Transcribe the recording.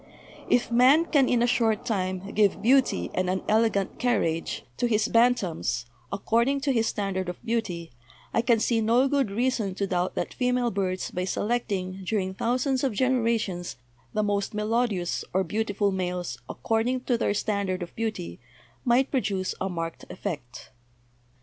If man can in a short time give beauty and an elegant carriage to his 218 BIOLOGY bantams, according to his standard of beauty, I can see no good reason to doubt that female birds, by selecting,; during thousands of generations, the most melodious or beautiful males, according to their standard of beauty, might produce a marked effect."